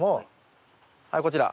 はいこちら。